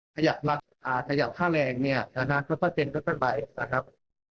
ขยับลักษณ์อ่าขยับค่าแรงเนี่ยนะฮะก็ต้องเป็นก็ต้องไปนะครับ